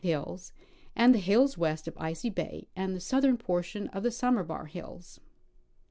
hills and the hills west of Icy bay and the southern portion of the Samovar hills.